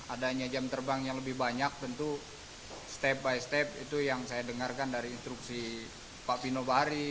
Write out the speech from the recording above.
adanya jam terbang yang lebih banyak tentu step by step itu yang saya dengarkan dari instruksi pak pino bahari